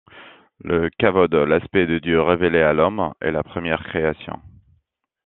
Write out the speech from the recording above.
Le Kavod, l’aspect de Dieu révélé à l’homme, est la première Création.